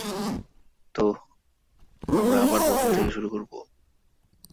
তো, আমরা আবার প্রথম থেকে শুরু করব।